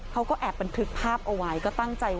เขาก็แอบบันทึกภาพเอาไว้ก็ตั้งใจว่า